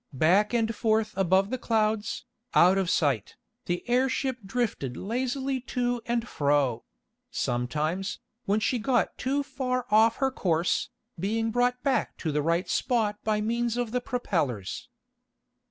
Back and forth above the clouds, out of sight, the airship drifted lazily to and fro; sometimes, when she got too far off her course, being brought back to the right spot by means of the propellers.